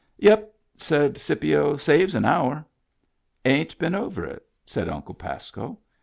" Yep," said Scipio. " Saves an hour." " Ain't been over it," said Uncle Pasco.